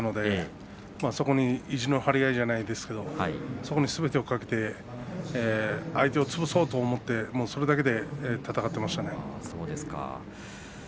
私は立ち合い馬力の力士じゃなかったのでそこに意地の張り合いじゃないですけどもそこにすべてを懸けて相手を潰そうと思ってそれだけで戦っていました。